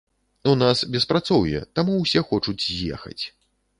У нас беспрацоўе, таму ўсе хочуць з'ехаць.